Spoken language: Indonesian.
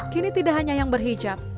kini tidak hanya yang berhijab